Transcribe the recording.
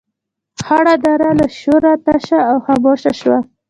خړه دره له شوره تشه او خاموشه شوه.